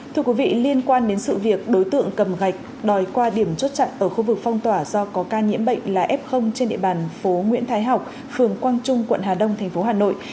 thưa quý vị liên quan đến sự việc đối tượng cầm gạch đòi qua điểm chốt chặn ở khu vực phong tỏa do có ca nhiễm bệnh là f trên địa bàn phố nguyễn thái học phường quang trung quận hà đông tp hà nội